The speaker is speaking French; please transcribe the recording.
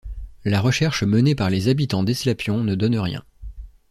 La recherche menée par les habitants d'Eslapion ne donne rien.